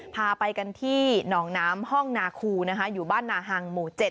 พาไปกันที่หนองน้ำห้องนาคูนะคะอยู่บ้านนาฮังหมู่๗